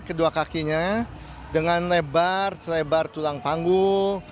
kedua kakinya dengan lebar selebar tulang panggung